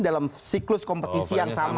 dalam siklus kompetisi yang sama